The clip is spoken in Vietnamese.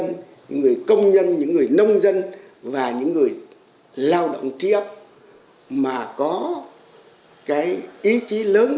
những người công nhân những người nông dân và những người lao động tri ấp mà có cái ý chí lớn